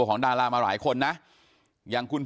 ลองฟังเสียงช่วงนี้ดูค่ะ